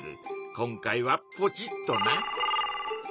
今回はポチッとな！